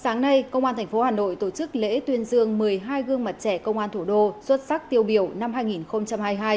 sáng nay công an tp hà nội tổ chức lễ tuyên dương một mươi hai gương mặt trẻ công an thủ đô xuất sắc tiêu biểu năm hai nghìn hai mươi hai